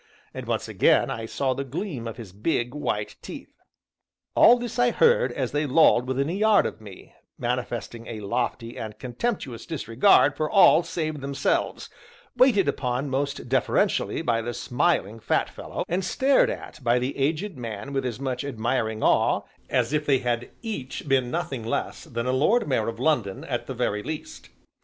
And once again I saw the gleam of his big, white teeth. All this I heard as they lolled within a yard of me, manifesting a lofty and contemptuous disregard for all save themselves, waited upon most deferentially by the smiling fat fellow, and stared at by the aged man with as much admiring awe as if they had each been nothing less than a lord mayor of London at the very least.